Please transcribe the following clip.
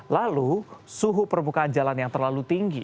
lalu suhu permukaan jalan yang terlalu tinggi